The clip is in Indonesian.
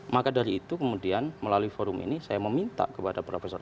maka dari itu kemudian melalui forum ini saya meminta kepada profesor